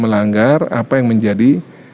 melanggar apa yang menjadi